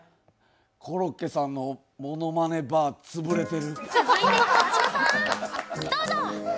コロッケさんのものまねバー潰れてる。